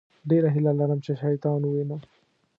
ډېره هیله لرم چې شیطان ووينم.